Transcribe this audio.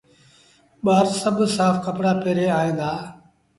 ٻآر سڀ سآڦ ڪپڙآ پهري ائيٚݩ دآ۔